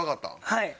はい。